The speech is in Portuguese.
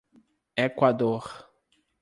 Equador